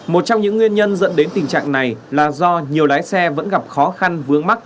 một trong những nguyên nhân dẫn đến tình trạng này là do nhiều lái xe vẫn gặp khó khăn vướng mắt